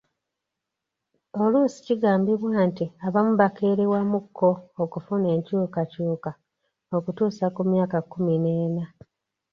Oluusi kigambibwa nti abamu bakerewamuko okufuna enkyukakyuka okutuusa ku myaka kkumi n'ena.